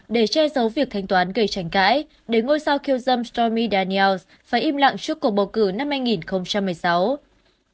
để che giấu việc thanh toán gây trành cãi để ngôi sao kiêu dâm stormy daniels phải im lặng trước cuộc bầu cử năm hai nghìn một mươi sáu